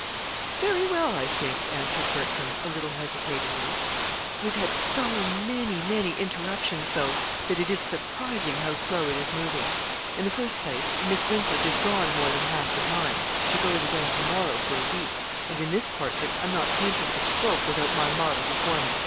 "Very well, I think," answered Bertram, a little hesitatingly. "We've had so many, many interruptions, though, that it is surprising how slow it is moving. In the first place, Miss Winthrop is gone more than half the time (she goes again to morrow for a week!), and in this portrait I'm not painting a stroke without my model before me.